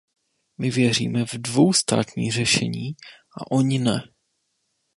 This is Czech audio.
My věříme v dvoustátní řešení a oni ne.